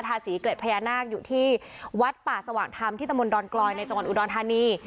ทาสีเกล็ดพญานาคอยู่ที่วัดป่าสว่างธรรมที่ตะมนตอนกลอยในจังหวัดอุดรธานี